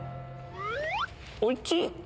おいちい！